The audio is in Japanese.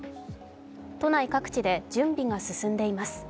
都内各地で準備が進んでいます。